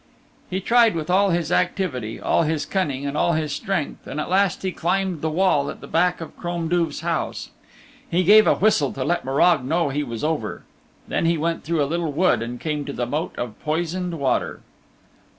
He tried with all his activity, all his cunning and all his strength, and at last he climbed the wall at the back of Crom Duv's house. He gave a whistle to let Morag know he was over. Then he went through a little wood and came to the Moat of Poisoned Water.